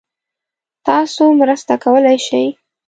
تاسو مرسته کولای شئ؟